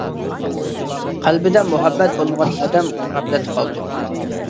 قەلبىدە مۇھەببەت بولمىغان ئادەم غەپلەتتە قالىدۇ.